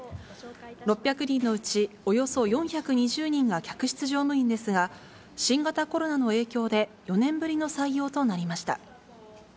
６００人のうちおよそ４２０人が客室乗務員ですが、新型コロナの影響で、４年ぶりの採用となりました。